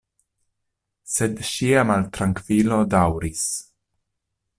Sed ŝia maltrankvilo daŭris.